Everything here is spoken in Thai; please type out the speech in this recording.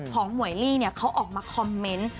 ของหมวยลีเนี่ยเขาออกมาคอมเม้นต์